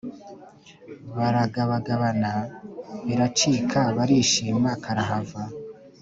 Baragabagabana biracika barishima karahava